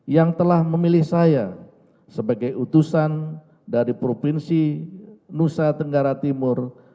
yang telah memilih saya sebagai utusan dari provinsi nusa tenggara timur